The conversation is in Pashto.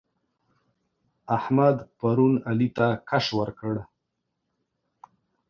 احمد پرون علي ته کش ورکړ.